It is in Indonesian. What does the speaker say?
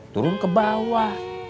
turun ke bawah